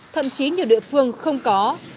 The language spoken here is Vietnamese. thậm chí nhiều địa phương không có